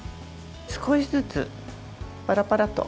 少しずつパラパラッと。